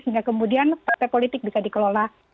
sehingga kemudian partai politik bisa dikelola